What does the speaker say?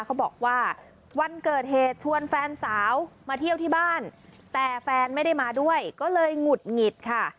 เขาบอกว่าวันเกิดเหตุชวนแฟนสาวมาเที่ยวที่บ้านแต่แฟนไม่ได้มาด้วยก็เลยหงุดหงิดค่ะ